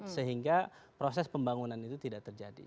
sehingga proses pembangunan itu tidak terjadi